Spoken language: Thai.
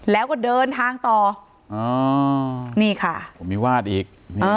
แล้วก็เดินทางต่อนี่ค่ะผมมีวาดอีก